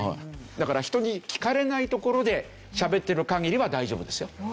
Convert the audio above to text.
だから人に聞かれない所でしゃべってる限りは大丈夫ですよ。